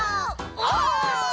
お！